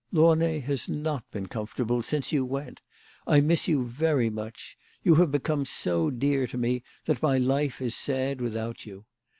Launay lias not been comfortable since you went. I miss you very much. You have become so dear to me that my life is sad without you.